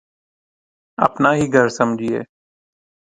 اپنا ہی گھر سمجھیے